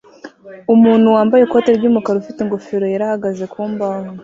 Umuntu wambaye ikoti ry'umukara ufite ingofero yera ahagaze ku mbaho